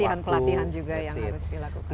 pelatihan pelatihan juga yang harus dilakukan